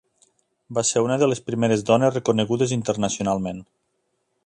Va ser una de les primeres dones reconegudes internacionalment.